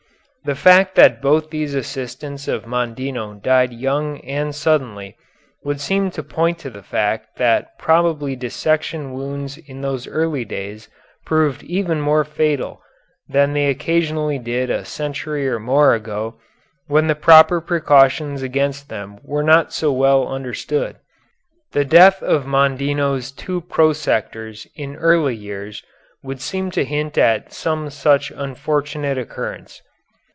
The fact that both these assistants of Mondino died young and suddenly, would seem to point to the fact that probably dissection wounds in those early days proved even more fatal than they occasionally did a century or more ago, when the proper precautions against them were not so well understood. The death of Mondino's two prosectors in early years would seem to hint at some such unfortunate occurrence.